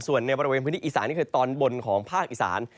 ส่วนในบริเวณพื้นที่อีสานนี่คือตอนบนของภาคอีสาน